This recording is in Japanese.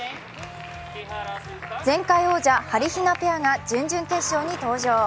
前回王者はりひなペアが準々決勝に登場。